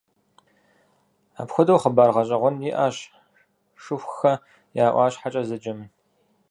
Апхуэдэу хъыбар гъэщӏэгъуэн иӏэщ «Шыхухэ я ӏуащхьэкӏэ» зэджэми.